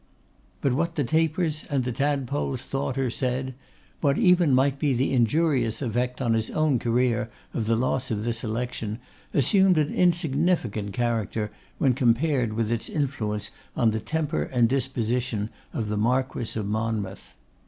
But what the Tapers and the Tadpoles thought or said, what even might be the injurious effect on his own career of the loss of this election, assumed an insignificant character when compared with its influence on the temper and disposition of the Marquess of Monmouth.